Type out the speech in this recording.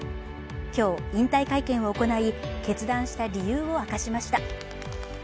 今日、引退会見を行い決断した理由を明かしました。